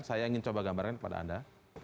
saya ingin coba gambarkan kepada anda